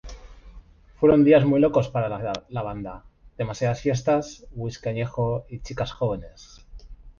Fueron días muy locos para la banda: demasiadas fiestas, whiskey añejo y chicas jóvenes.